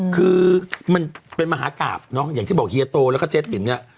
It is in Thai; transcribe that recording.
คือมันเป็นมหากราบเนอะอย่างที่บอกเฮียโตแล้วก็เจ๊ติ๋มเนี่ย